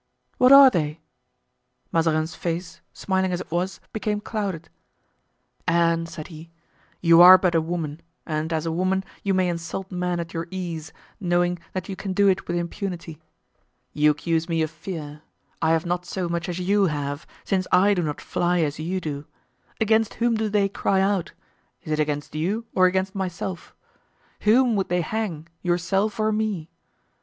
"What are they?" Mazarin's face, smiling as it was, became clouded. "Anne," said he, "you are but a woman and as a woman you may insult men at your ease, knowing that you can do it with impunity. You accuse me of fear; I have not so much as you have, since I do not fly as you do. Against whom do they cry out? is it against you or against myself? Whom would they hang, yourself or me?